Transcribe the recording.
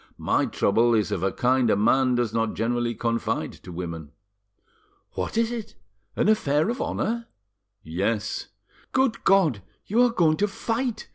My trouble is of a kind a man does not generally confide to women." "What is it? An affair of honour? "Yes." "Good God! You are going to fight!"